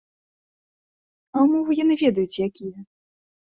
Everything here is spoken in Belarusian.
А ўмовы яны ведаюць, якія.